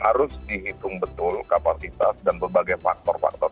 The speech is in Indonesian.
harus dihitung betul kapasitas dan berbagai faktor faktor